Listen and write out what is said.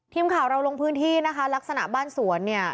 ทีมข่าวเราลงพื้นที่นะคะลักษณะบ้านสวนเนี่ย